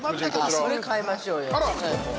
◆それ買いましょうよ。